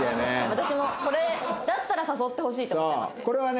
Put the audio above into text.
私もこれだったら誘ってほしいって思っちゃいますね。